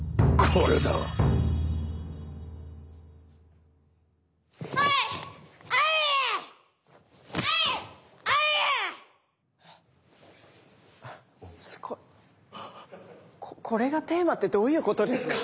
これがテーマってどういうことですか？